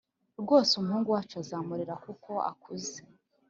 rwose umuhungu wacu azamurera kuko akuze